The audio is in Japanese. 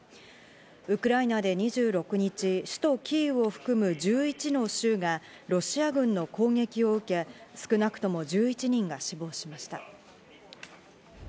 ウクライナで２６日、首都キーウを含む、１１の州がロシア軍の攻撃を受け、少なくとも１１人が死亡しました。